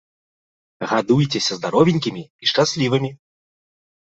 Гадуйцеся здаровенькімі і шчаслівымі!